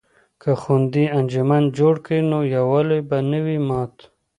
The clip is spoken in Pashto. که خویندې انجمن جوړ کړي نو یووالی به نه وي مات.